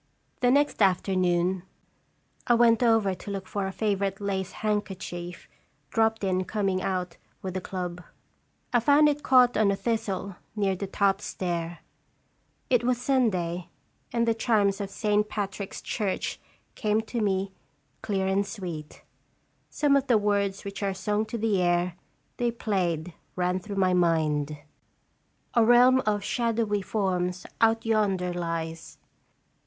The next afternoon I went over to look for a favorite lace handkerchief, dropped in coming out with the club. I found it caught on a thistle, near the top stair. It was Sunday, and the chimes of Saint Patrick's Church came to me clear and sweet. Some of the words which are sung to the air they played ran through my mind: "A realm of shadowy forms out yonder lies.